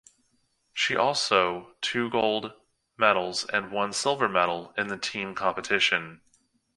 She also two gold medals and one silver medal in the team competition.